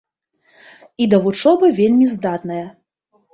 І да вучобы вельмі здатная.